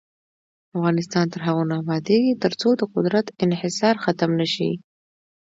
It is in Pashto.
افغانستان تر هغو نه ابادیږي، ترڅو د قدرت انحصار ختم نشي.